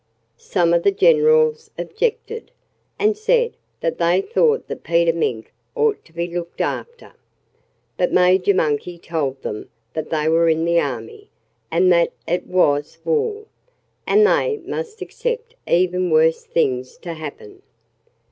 Some of the generals objected, and said that they thought that Peter Mink ought to be looked after. But Major Monkey told them that they were in the army, and that it was war, and they must expect even worse things to happen.